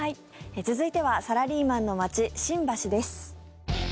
続いてはサラリーマンの街、新橋です。